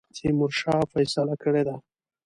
تیمورشاه فیصله کړې ده.